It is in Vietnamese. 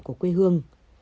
của quê hương